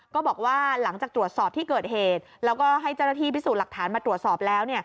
ก็บอกว่าหลังจากตรวจสอบที่เกิดเหตุแล้วก็ให้เจ้าหน้าที่พิสูจน์หลักฐานมาตรวจสอบแล้ว